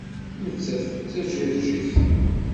Nettat d Tajiṛjit.